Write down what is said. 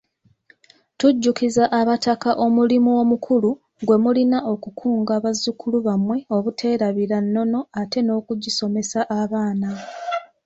Tujjukiza Abataka omulimu omukulu gwe mulina okukunga bazzukulu bammwe obuteerabira nnono ate n'okugisomesa abaana.